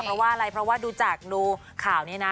เพราะว่าอะไรเพราะว่าดูจากดูข่าวนี้นะ